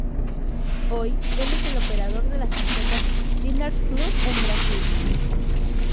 Hoy, Elo es el operador de las tarjetas Diners Club en Brasil.